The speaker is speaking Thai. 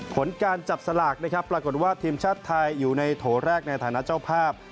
ผลการจับสลากนะครับปรากฏว่าทีมชาติไทยอยู่ในโถแรกในฐานะเจ้าภาพ